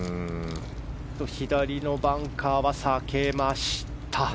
左のバンカーは避けました。